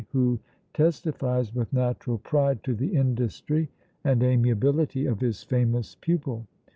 who testifies with natural pride to the industry and amiability of his famous pupil.